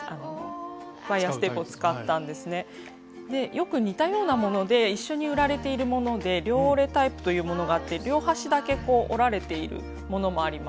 よく似たようなもので一緒に売られているもので両折れタイプというものがあって両端だけ折られているものもあります。